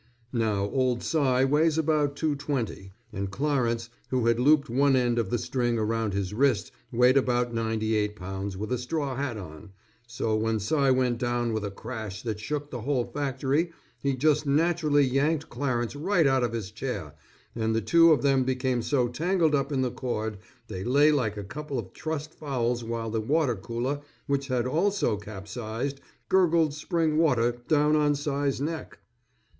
Now old Cy weighs about two twenty and Clarence who had looped one end of the string around his wrist weighed about ninety eight pounds with a straw hat on, so when Cy went down with a crash that shook the whole factory, he just naturally yanked Clarence right out of his chair, and the two of them became so tangled up in the cord, they lay like a couple of trussed fowls while the water cooler which had also capsized gurgled spring water down old Cy's neck.